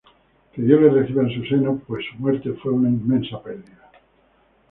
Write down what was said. Que Dios le reciba en su seno pues su muerte fue una inmensa perdida"".